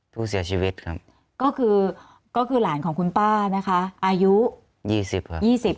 ผู้เสียชีวิตครับก็คือก็คือหลานของคุณป้านะคะอายุ๒๐ครับ๒๐